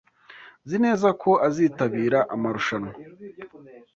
Nzi neza ko azitabira amarushanwa.